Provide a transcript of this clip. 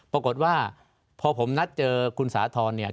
ปรากฏว่าพอผมนัดเจอคุณสาธรณ์เนี่ย